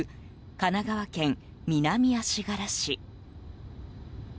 神奈川県南足柄市。